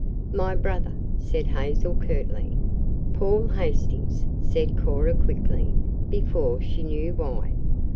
"My brother," said Hazel curtly. "Paul Hastings," said Cora quickly, before she knew why.